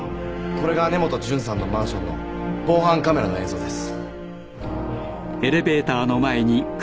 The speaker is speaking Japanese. これが根本純さんのマンションの防犯カメラの映像です。